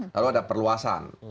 lalu ada perluasan